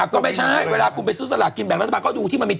ก็ไม่ใช่เวลาเป็นสละกินแบงก์รัฐบาลก็ดูที่มันมี๗๑๖